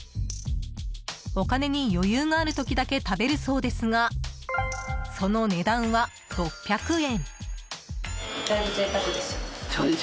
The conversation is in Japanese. お金に余裕がある時だけ食べるそうですがその値段は、６００円。